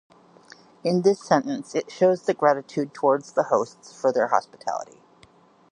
In this sentence, it shows the gratitude towards the hosts for their hospitality.